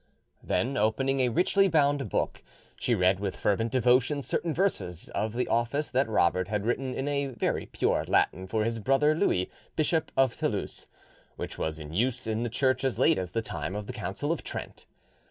Then opening a richly bound book, she read with fervent devotion certain verses of the office that Robert had written in a very pure Latin for his brother Louis, Bishop of Toulouse, which was in use in the Church as late as the time of the Council of Trent.